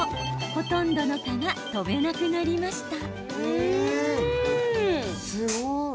ほとんどの蚊が飛べなくなりました。